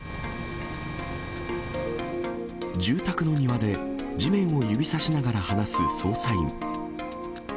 住宅の庭で地面を指さしながら話す捜査員。